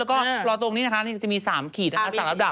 แล้วก็รอตรงนี้นะคะจะมี๓ขีดนะคะ๓ระดับ